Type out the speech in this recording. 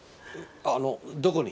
あのどこに？